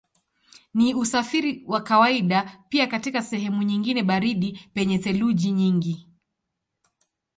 Ni usafiri wa kawaida pia katika sehemu nyingine baridi penye theluji nyingi.